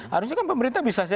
harusnya kan pemerintah bisa saja